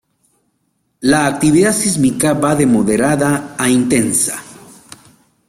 La actividad sísmica va de moderada a intensa.